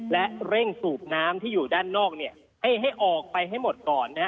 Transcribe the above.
และเร่งสูบน้ำที่อยู่ด้านนอกให้ออกไปให้หมดก่อน